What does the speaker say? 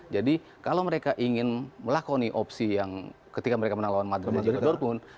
jadi kalau mereka ingin melakoni opsi yang ketika mereka menang lawan madrid jodor pun